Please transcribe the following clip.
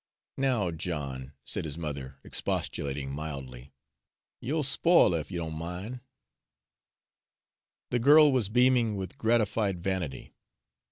"Now, John," said his mother, expostulating mildly, "you'll spile her, if you don't min'." The girl was beaming with gratified vanity.